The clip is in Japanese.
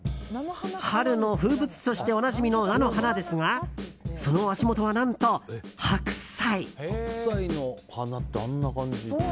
春の風物詩としておなじみの菜の花ですがその足元は、何と白菜。